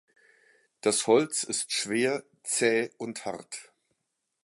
Das Holz ist schwer, zäh und hart.